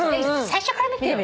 最初から見てよ。